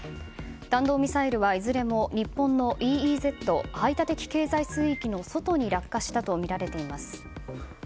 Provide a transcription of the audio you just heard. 弾道ミサイルはいずれも日本のＥＥＺ・排他的経済水域の外に落下したとみられています。